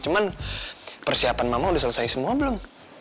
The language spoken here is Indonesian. cuman persiapan mama udah selesai semua belum